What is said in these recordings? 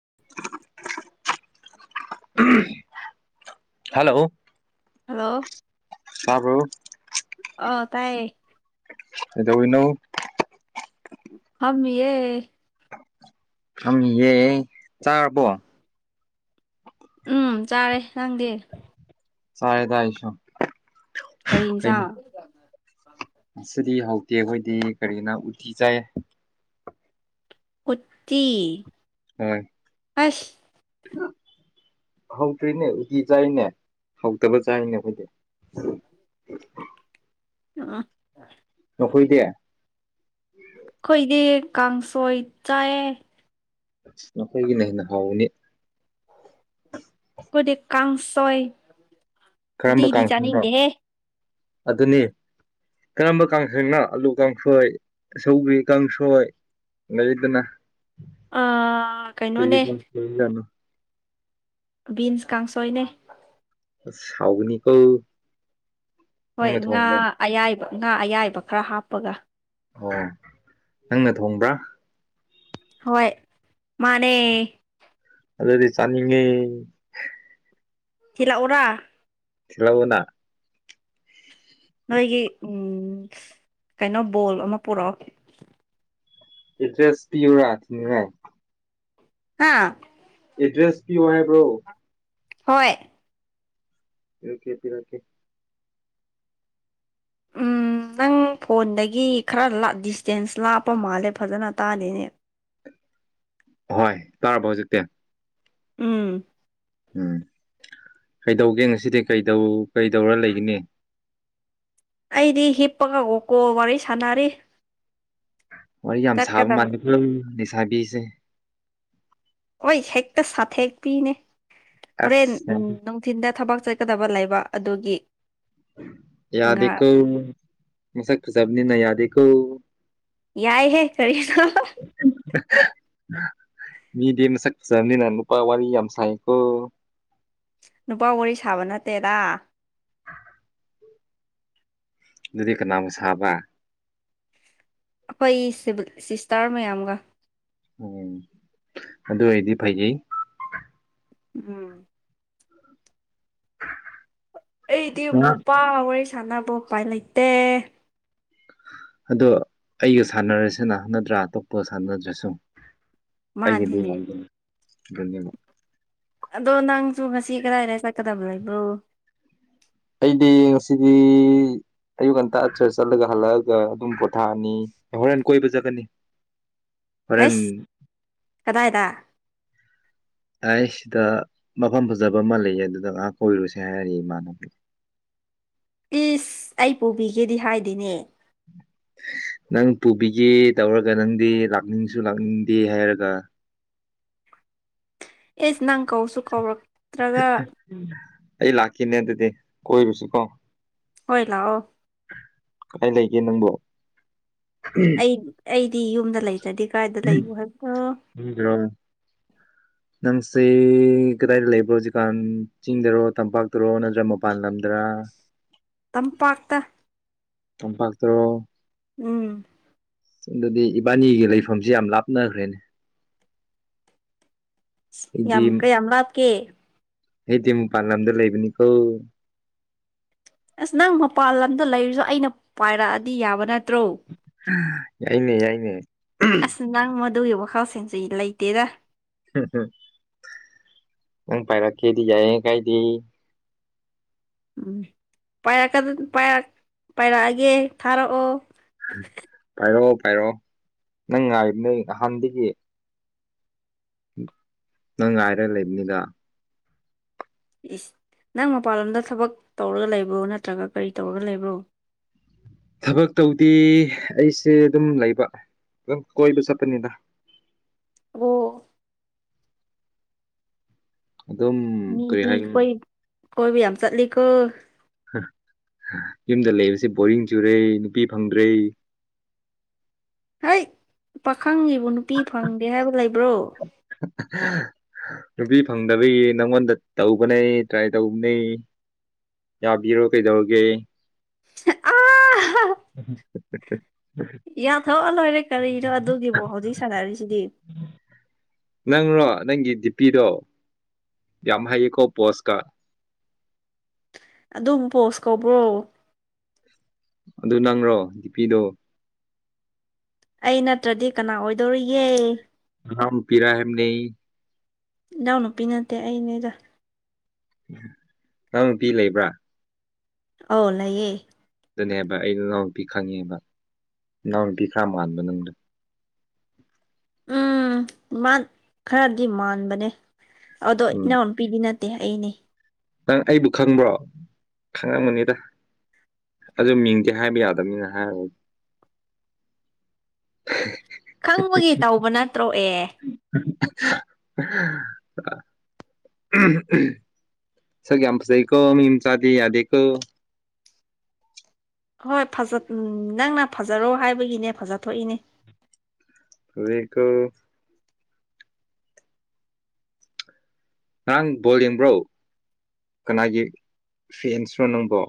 [inaudible] hello hello ꯇꯕꯣ ꯑ ꯇꯥꯏꯌꯦ ꯑꯗꯣꯅꯣ ꯑꯃ ꯌꯦ ꯊꯍꯦ ꯆꯥꯔꯕꯣ ꯎꯝ ꯆꯥꯔꯦ ꯅꯪꯗꯦ ꯁꯥꯔꯦ ꯊꯗꯥꯏ ꯁꯣ ꯀꯁ ꯑꯁꯤꯗꯤ ꯍꯧꯇꯦ ꯑꯩꯈꯣꯏꯗꯤ ꯀꯔꯤꯅ ꯎꯇꯤ ꯆꯥꯏ ꯄꯨꯠꯇꯤ ꯍꯣꯏ ꯑꯁ ꯑ ꯍꯧꯗ꯭ꯔꯤꯅꯦ ꯎꯀꯤꯤ ꯆꯥꯏꯔꯤꯅꯦ ꯍꯧꯗꯕ ꯆꯥꯔꯤꯅꯦ ꯑꯩꯈꯣꯏꯗꯤ ꯎ ꯑ ꯐꯣꯏꯗꯦ ꯑꯩꯈꯣꯏꯗꯤ ꯀꯥꯡꯁꯣꯏ ꯆꯥꯏꯑ ꯑ ꯅꯈꯣꯏꯒꯤꯅ ꯍꯦꯟꯅ ꯍꯥꯎꯅꯤ ꯀꯗꯤ ꯀꯥꯡꯁꯣꯏ ꯀꯔꯝꯕ ꯎꯇꯤꯗꯤ ꯀꯥꯡꯁꯣꯏꯅꯣ ꯆꯥꯅꯤꯡꯗꯦꯍꯦ ꯑꯗꯨꯅꯤ ꯀꯔꯝꯕ ꯀꯥꯡꯁꯪꯅꯣ ꯑꯂꯨ ꯀꯥꯡꯁꯣꯏ ꯑꯆꯧꯕꯔꯤ ꯀꯥꯡꯁꯣꯏ ꯂꯩꯗꯅꯣ ꯑꯥ ꯀꯩꯅꯣꯅꯦ ꯕꯤꯟꯁ ꯀꯥꯡꯁꯣꯏꯅꯦ ꯁꯥꯎꯅꯤ ꯀꯧꯕ ꯍꯣꯏ ꯉꯥ ꯑꯌꯥꯏꯕ ꯉꯥ ꯑꯌꯥꯏꯕ ꯈꯔ ꯍꯥꯞꯄꯒ ꯑꯣ ꯅꯪꯅ ꯊꯣꯡꯕ꯭ꯔꯥ ꯍꯣꯏ ꯃꯥꯅꯦ ꯑꯗꯤ ꯆꯅꯤꯡꯉ ꯆꯂꯥꯛ ꯑꯣꯔꯥ ꯊꯂꯎꯅ ꯅꯣꯏꯒꯤ ꯎꯝ ꯀꯩꯅꯣ ꯕꯣꯜ ꯑꯃ ꯄꯨꯔꯛꯑꯣ ꯑꯦꯗ꯭ꯔꯦꯁ ꯄꯤꯌꯨꯔꯥꯏ ꯍꯥꯥ ꯑꯦꯗ꯭ꯔꯦꯁ ꯄꯤꯌꯣ ꯍꯥꯏꯕ꯭ꯔꯣ ꯍꯣꯏ ꯄꯤꯔꯀꯦ ꯄꯤꯔꯀꯦ ꯑꯟꯑꯣꯗꯤꯕꯜ ꯎꯝ ꯅꯪ ꯐꯣꯟꯗꯒꯤ ꯈꯔ ꯂꯥ ꯗꯤꯁꯇꯦꯟꯁ ꯂꯥꯞꯄ ꯃꯥꯜꯂꯦ ꯐꯖꯅ ꯇꯥꯜꯂꯤꯅꯦ ꯍꯣꯏ ꯇꯥꯔꯕꯣ ꯍꯧꯖꯤꯛꯇꯦ ꯎꯝ ꯎꯝ ꯀꯩꯗꯧꯒꯦ ꯉꯁꯤꯗꯤ ꯀꯩꯗꯧꯔ ꯂꯩꯒꯅꯤ ꯑꯩꯗꯤ ꯍꯤꯞꯄꯒ ꯀꯣꯜ ꯋꯥꯔꯤ ꯁꯥꯟꯅꯔꯤ ꯋꯥꯔꯤ ꯌꯥꯝ ꯁꯥꯕ ꯆꯠꯀꯗꯕ ꯃꯥꯟꯅꯦ ꯈ ꯂꯩꯁꯥꯕꯤꯁꯦ ꯍꯣꯏ ꯍꯦꯛꯇ ꯁꯥꯊꯦꯛ ꯄꯤꯅꯦ ꯍꯣꯔꯦꯟ ꯑꯁ ꯅꯨꯡꯊꯤꯟꯗ ꯊꯕꯛ ꯆꯠꯀꯗꯕ ꯂꯩꯕ ꯑꯗꯨꯒꯤ ꯉꯥ ꯌꯥꯗꯦꯀꯣ ꯃꯁꯛ ꯐꯖꯕꯅꯤꯅ ꯌꯥꯗꯦꯀꯣ ꯌꯥꯏ ꯍꯦ ꯀꯔꯤꯅꯣ ꯃꯤꯗꯤ ꯃꯁꯛ ꯐꯖꯕꯅꯤꯅ ꯅꯨꯄꯥ ꯋꯥꯔꯤ ꯌꯥꯝ ꯁꯥꯏꯀꯣ ꯅꯨꯄꯥ ꯋꯥꯔꯤ ꯁꯥꯕ ꯅꯠꯇꯦꯗ ꯑꯗꯨꯗꯤ ꯀꯅꯥꯒ ꯁꯥꯕ ꯑꯩꯈꯣꯏ ꯁꯤꯕꯤꯜ ꯁꯤꯁꯇꯥꯔ ꯃꯌꯥꯝꯒ ꯎꯝ ꯑꯗꯨ ꯑꯣꯏꯗꯤ ꯐꯩꯖꯩ ꯎꯝ ꯑꯩꯗꯤ ꯅꯨꯄꯥ ꯋꯥꯔꯤ ꯁꯥꯟꯅꯕ ꯎꯄꯥꯏ ꯂꯩꯇꯦ ꯑꯗꯣ ꯑꯩꯒ ꯁꯥꯟꯅꯔꯁꯤꯅ ꯅꯠꯇ꯭ꯔꯥ ꯑꯇꯣꯞꯄꯒ ꯁꯥꯟꯅꯗ꯭ꯔꯁꯨ ꯑꯩꯒꯤꯗꯤ ꯃꯥꯅꯤꯅꯦ ꯍꯥꯏ ꯑꯗꯣ ꯅꯪꯁꯨ ꯉꯁꯤ ꯀꯗꯥꯏꯗ ꯆꯠꯀꯗꯕ ꯂꯩꯕ꯭ꯔꯣ ꯑꯩꯗꯤ ꯉꯁꯤꯗꯤ ꯑꯌꯨꯛ ꯉꯟꯇꯥ ꯆꯔꯁ ꯆꯠꯂꯒ ꯍꯜꯂꯛꯑꯒ ꯑꯗꯨꯝ ꯄꯣꯊꯥꯅꯤ ꯑꯦꯞꯍꯣꯔꯦꯟ ꯀꯣꯏꯕ ꯆꯠꯒꯅꯤ ꯍꯩꯁ ꯀꯗꯥꯏꯗ ꯑꯩ ꯁꯤꯗ ꯃꯐꯝ ꯐꯖꯕ ꯑꯃ ꯂꯩꯌꯦ ꯑꯗꯨꯗ ꯉꯥꯏꯍꯥꯛ ꯀꯣꯏꯔꯨꯁꯦ ꯍꯥꯏꯔꯔꯤ ꯏꯃꯥꯟꯕꯤ ꯑꯟꯑꯣꯗꯤꯕꯜ ꯏꯁ ꯑꯩ ꯄꯨꯕꯤꯒꯦꯗꯤ ꯍꯥꯏꯗꯤꯅꯦ ꯑꯟꯑꯣꯗꯤꯕꯜ ꯅꯪ ꯄꯨꯕꯤꯒꯦ ꯇꯧꯔꯒ ꯅꯪꯗꯤ ꯂꯥꯛꯅꯤꯡꯁꯨ ꯂꯥꯛꯅꯤꯡꯗꯦ ꯍꯥꯏꯔꯒ ꯢꯁ ꯅꯪ ꯀꯧꯁꯨ ꯀꯧꯔꯛ ꯑꯩ ꯂꯥꯛꯀꯦꯅꯦ ꯑꯗꯨꯗꯦ ꯀꯣꯏꯔꯨꯁꯤ ꯀꯣ ꯍꯣꯏ ꯂꯥꯛꯑꯣ ꯀꯥꯏ ꯂꯩꯒꯦ ꯅꯪꯕꯣ ꯑꯩ ꯑꯩꯗꯤ ꯌꯨꯝꯗ ꯂꯩꯇ꯭ꯔꯗꯤ ꯀꯥꯏꯗ ꯂꯩꯕꯣ ꯍꯥꯏꯕꯅꯣ ꯑꯟꯑꯣꯗꯤꯕꯜ ꯅꯪꯁꯤ ꯀꯗꯥꯏꯗ ꯂꯩꯕꯣ ꯍꯧꯖꯤꯛꯀꯥꯟ ꯆꯤꯡꯗꯔꯣ ꯇꯝꯄꯥꯛꯇꯔꯣ ꯅꯠꯇ꯭ꯔꯥ ꯃꯄꯥꯟ ꯂꯝꯗꯔ ꯑꯟꯑꯣꯗꯤꯕꯜ ꯇꯝꯄꯥꯛꯇ ꯇꯝꯄꯥꯛꯇꯔꯣ ꯎꯝ ꯑꯗꯨꯗꯤ ꯏꯕꯥꯅꯤꯒꯤ ꯂꯩꯐꯝꯁꯤ ꯌꯥꯝ ꯂꯥꯞꯅꯒ꯭ꯔꯦꯅꯦ ꯁ ꯑꯩꯗꯤ ꯌꯥꯝ ꯀꯌꯥꯝ ꯂꯥꯞꯀꯦ ꯑꯩꯗꯤ ꯃꯄꯥꯜ ꯂꯝꯗ ꯂꯩꯕꯅꯤ ꯀꯣ ꯑꯁ ꯅꯪ ꯃꯄꯥꯟ ꯂꯝꯗ ꯂꯩꯔꯁꯨ ꯑꯩꯅ ꯄꯥꯏꯔꯛꯑꯗꯤ ꯌꯥꯕ ꯅꯠ ꯌꯥꯏꯅꯦ ꯌꯥꯏꯅꯦ ꯑꯗꯨꯒꯤ ꯋꯥꯈꯜꯁꯤꯡꯁꯤ ꯂꯩꯇꯦꯗ ꯍꯝꯍꯝ ꯅꯪ ꯄꯥꯏꯔꯛꯀꯦꯗꯤ ꯌꯥꯏꯌꯦ ꯀꯥꯏꯗꯦ ꯎꯝ ꯄꯥꯏꯔꯛꯀ ꯄꯥꯏꯔꯛꯑꯒꯦ ꯊꯥꯔꯛꯑꯣ ꯄꯥꯏꯔꯛꯑꯣ ꯄꯥꯏꯔꯛꯑꯣ ꯅꯪ ꯉꯥꯏꯕ ꯅ ꯑꯍꯥꯟꯗꯒꯤ ꯅꯪ ꯉꯥꯏꯔꯒ ꯂꯩꯕꯅꯤꯒ ꯏ ꯅꯪ ꯃꯄꯜꯂꯣꯝꯗ ꯊꯕꯛ ꯇꯧꯔꯒ ꯂꯩꯕ꯭ꯔꯣ ꯅꯠꯇ꯭ꯔꯒ ꯀꯔꯤ ꯇꯧꯔꯒ ꯂꯩꯕ꯭ꯔꯣ ꯊꯕꯛ ꯇꯧꯗꯤ ꯑꯩꯁꯦ ꯑꯗꯨꯝ ꯂꯩꯕ ꯑꯗꯨꯝ ꯀꯣꯏꯕ ꯆꯠꯄꯅꯤꯅ ꯔꯣ ꯑꯗꯨꯝ ꯀꯔꯤ ꯃꯤ ꯍꯥꯏꯒꯅꯤ ꯀꯣꯏ ꯀꯣꯏꯕꯤ ꯌꯥꯝ ꯀ ꯌꯨꯝꯗ ꯂꯩꯕꯁꯤ ꯕꯣꯔꯤꯡ ꯆꯨꯔꯦ ꯅꯨꯄꯤ ꯐꯪꯗ꯭ꯔꯦ [unintelligible] ꯍꯣꯏ ꯄꯥꯈꯪꯉꯤꯕ ꯅꯨꯄꯤ ꯐꯪꯗꯦ ꯍꯥꯏꯕ ꯂꯩꯕ꯭ꯔꯣ [unintelligible] ꯅꯨꯄꯤ ꯐꯪꯗꯕꯒꯤ ꯅꯪꯉꯣꯟꯗ ꯇꯧꯕꯅꯦ ꯇ꯭ꯔꯥꯏ ꯇꯧꯕꯅꯦꯩ ꯌꯥꯕꯤ ꯌꯔꯣ ꯀꯩꯗꯧꯔꯒꯦ ꯑ ꯎꯦ ꯌꯥꯊꯣꯛꯑ ꯂꯣꯏꯔꯦ ꯀꯔꯤꯅꯣ ꯑꯗꯨꯒꯤꯕꯨꯣ ꯍꯧꯖꯤꯛ ꯁꯥꯟꯅꯔꯤꯁꯤꯗꯤ ꯅꯪꯔꯣ ꯅꯪꯒꯤ ꯗꯤꯄꯤꯗꯣ ꯌꯥꯝ ꯍꯩꯌꯦꯀꯣ ꯄꯣꯁꯀ ꯑꯗꯨꯝ ꯄꯣꯁ ꯀꯧꯕ꯭ꯔꯣ ꯑꯗꯨ ꯅꯪꯔꯣ ꯗꯤꯄꯤꯗꯣ ꯑꯩ ꯅꯠꯇ꯭ꯔꯗꯤ ꯀꯅꯥ ꯑꯣꯏꯗꯧꯔꯤꯌꯦꯦ ꯄꯤꯔꯥꯍꯦꯅꯦ ꯏꯅꯥꯎ ꯅꯨꯨꯄꯤ ꯅꯠꯇꯦ ꯑꯩꯅꯦꯗ ꯅꯪ ꯅꯨꯄꯤꯤ ꯂꯩꯕ꯭ꯔꯥ ꯑ ꯂꯩꯌꯦ ꯑꯗꯨꯅꯦ ꯍꯥꯏꯕ ꯑꯩꯩꯅ ꯏꯅꯥꯎ ꯅꯨꯄꯤ ꯈꯪꯉꯦꯕ ꯏꯅꯥꯎ ꯅꯨꯄꯤ ꯈꯔ ꯃꯥꯟꯕ ꯅꯪꯅ ꯎꯝ ꯈꯔꯗꯤ ꯃꯥꯟꯕꯅꯦ ꯑꯗꯣ ꯎꯝ ꯏꯅꯥꯎꯄꯤꯗꯤ ꯅꯠꯇꯦ ꯗꯦ ꯑꯩꯅꯦ ꯅꯪ ꯑꯩꯕꯨ ꯈꯪꯕ꯭ꯔꯣ ꯈꯪꯉꯝꯃꯅꯤꯗ ꯑꯗꯨ ꯃꯤꯡꯗꯤꯤ ꯍꯥꯏꯕ ꯌꯥꯗꯕꯅꯤꯅ ꯍꯥꯏꯔꯒ ꯈꯪꯕꯒꯤ ꯇꯧꯕ ꯅꯠꯇ꯭ꯔꯣ ꯑꯦ ꯑ ꯁꯒ ꯑꯃꯁꯨ ꯑꯩꯀ ꯃꯤꯝ ꯆꯗꯤ ꯌꯥꯗꯀ ꯍꯣꯏ ꯅꯪꯅ ꯐꯖꯔꯣ ꯍꯥꯏꯕꯒꯤꯅꯦ ꯐꯖꯊꯏꯅꯦ ꯑꯗꯨꯀꯣ ꯉꯔꯥꯡ ꯕꯣꯜ ꯌꯦꯡꯕ꯭ꯔꯣ ꯀꯅꯥꯒꯤ ꯐꯦꯟꯁꯅꯣ ꯅꯪꯕꯣ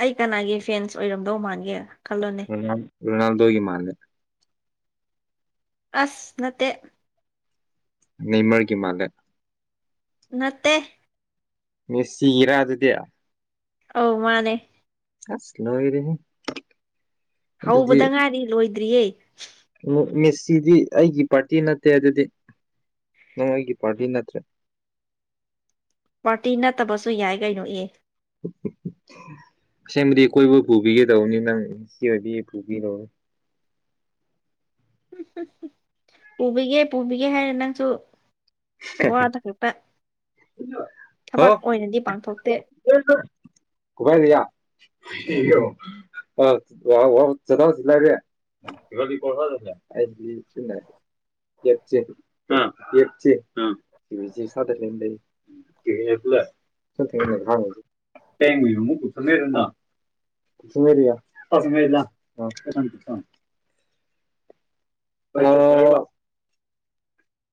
ꯑꯩ ꯀꯅꯥꯒꯤ ꯐꯦꯟꯁ ꯑꯣꯏꯔꯝꯗꯧ ꯃꯥꯥꯟꯒꯦ ꯑꯣꯏꯜ ꯑꯣꯏꯅꯥꯜꯗꯣꯒꯤ ꯃꯥꯔꯂꯦ ꯑꯁ ꯅ ꯇꯦ ꯅꯅꯤꯃꯔꯒꯤ ꯃꯥꯂꯦ ꯅꯠꯇꯦ ꯃꯁꯤ ꯏꯔ ꯑꯗꯨꯗ ꯑꯧ ꯃꯥꯅꯦ ꯁ ꯂꯔꯤꯦ ꯍꯧꯕꯗ ꯉꯥꯏꯔꯤ ꯂꯣꯏꯗ꯭ꯔꯤꯌꯦ ꯃꯦꯁꯤꯗꯤ ꯑꯩꯒꯤ ꯄꯥꯔꯇꯤ ꯅꯠꯇꯦ ꯑꯗꯨꯗꯤ ꯅꯃꯥꯏꯒꯤ ꯄꯔꯇꯤꯟ ꯅꯠꯇ꯭ꯔꯦ ꯄꯥꯔꯇꯤ ꯅꯠꯇꯕꯁꯨ ꯌꯥꯏ ꯀꯩꯅꯣ ꯑꯦ ꯎꯝ ꯑꯁꯦꯡꯕꯨꯗꯤ ꯀꯣꯏꯕ ꯄꯨꯕꯤꯒꯦꯗꯧꯕꯅꯤ ꯅꯪ ꯑꯣꯏꯕꯤ ꯄꯨꯕꯤꯔꯧꯅꯤ [unintelligible] ꯄꯨꯕꯤꯒꯦ ꯄꯨꯕꯤꯒꯦ ꯍꯥꯏꯔ ꯅꯪꯁꯨ ꯋꯥꯗ ꯈꯠꯇ ꯍꯣ ꯄꯥꯡꯊꯣꯛꯇꯦ ꯀꯄꯥꯏꯗꯤꯌꯥ [unintelligible] ꯣ ꯋꯥ ꯋꯥ ꯆꯗꯥꯁꯤꯂꯔꯦ ꯕꯗꯤ ꯄꯗ ꯆꯦ [unintelligible] ꯎꯝ ꯎꯝ [unintelligible] ꯇ ꯃꯅ ꯃꯨ ꯄꯨꯊꯃꯦꯔꯅꯥ [unintelligible] ꯁꯌꯥ ꯑꯗ [unintelligible] ꯑꯣ